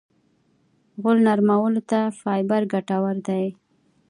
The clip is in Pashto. غول نرمولو ته فایبر ګټور دی.